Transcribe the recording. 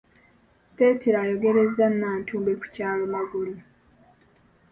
Peetero ayogereza Nnantumbwe ku kyalo Magulu.